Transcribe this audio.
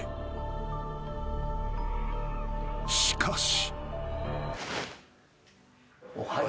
［しかし］